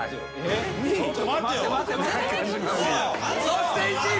そして１位。